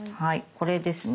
これですね。